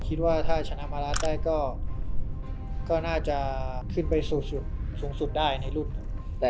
คิดว่าถ้าชนะมารัสได้ก็น่าจะขึ้นไปสูงสุดได้ในรุ่น